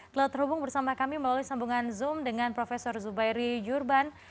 telah terhubung bersama kami melalui sambungan zoom dengan prof zubairi jurban